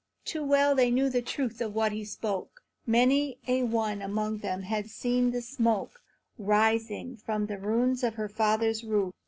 Too well they knew the truth of what he spoke. Many a one among them had seen the smoke rising from the ruins of her father's roof.